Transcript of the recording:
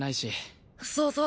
そうそう。